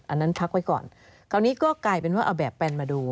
อันนั้นพักไว้ก่อนคราวนี้ก็กลายเป็นว่าเอาแบบแปนมาดู